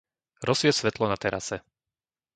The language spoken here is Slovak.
Rozsvieť svetlo na terase.